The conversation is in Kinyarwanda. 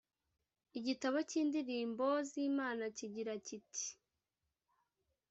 igitabo cy’indirimbo z mana kigira kiti